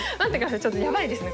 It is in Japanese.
ちょっとやばいですねこれ。